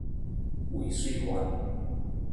未遂犯